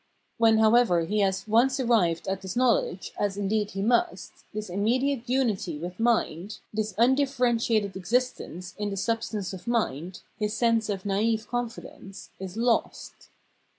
When however he has once arrived at this know ledge, as indeed he must, this immediate unity with mind, this undifferentiated existence in the substance Realisation of Rational Self Consciousness 345 of mind, his sense of naive confidence, is lost.